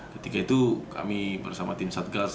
ketika itu kami bersama tim satgas